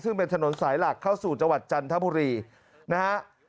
ซึ่งเป็นถนนสายหลักเข้าสู่จังหวัดจันทบุรีนะฮะ